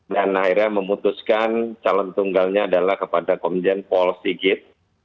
dan akhirnya memutuskan calon tunggalnya adalah kepada komisen paul sigit